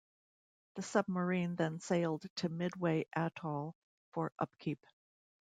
The submarine then sailed to Midway Atoll for upkeep.